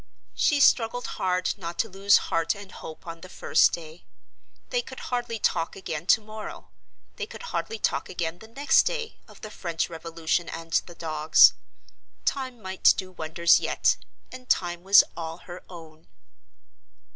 She struggled hard not to lose heart and hope on the first day. They could hardly talk again to morrow, they could hardly talk again the next day, of the French Revolution and the dogs. Time might do wonders yet; and time was all her own.